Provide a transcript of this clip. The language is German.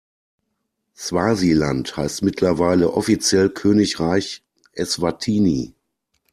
Swasiland heißt mittlerweile offiziell Königreich Eswatini.